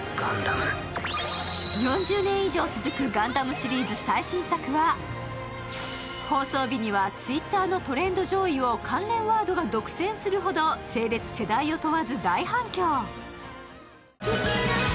４０年以上続く「ガンダム」シリーズ最新作は放送日には、Ｔｗｉｔｔｅｒのトレンド上位を関連ワードが独占するほど性別、世代を問わず大反響。